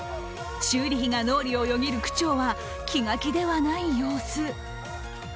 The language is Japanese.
修理費が脳裏をよぎる区長は気が気ではない様子。